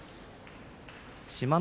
志摩ノ